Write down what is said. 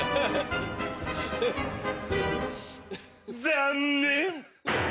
残念！